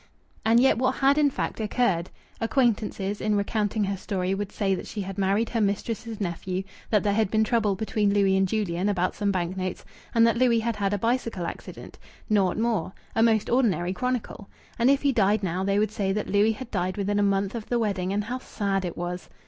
And yet what had in fact occurred? Acquaintances, in recounting her story, would say that she had married her mistress's nephew, that there had been trouble between Louis and Julian about some bank notes, and that Louis had had a bicycle accident. Naught more! A most ordinary chronicle! And if he died now, they would say that Louis had died within a month of the wedding and how sad it was!